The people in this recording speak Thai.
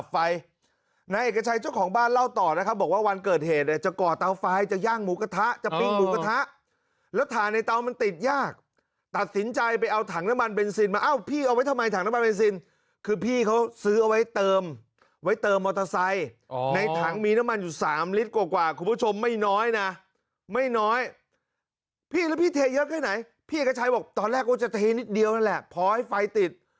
พี่เอกชัยบอกตอนแรกว่าจะเทนิดเดียวนั่นแหละพอให้ไฟติด